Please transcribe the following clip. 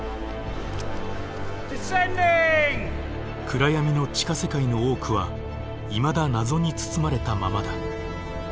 暗闇の地下世界の多くはいまだ謎に包まれたままだ。